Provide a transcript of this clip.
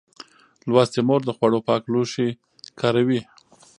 لوستې مور د خوړو پاک لوښي کاروي.